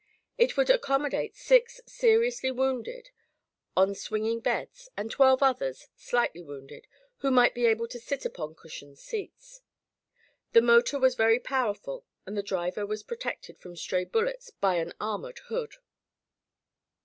It would accommodate six seriously wounded, on swinging beds, and twelve others, slightly wounded, who might be able to sit upon cushioned seats. The motor was very powerful and the driver was protected from stray bullets by an armored hood.